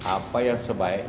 apa yang sebaik